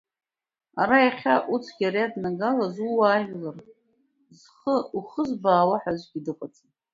Ара иахьа уцәгьара иаднагалаз ууаажәлар зхы ухызбаауа ҳәа аӡәгьы дыҟаӡам.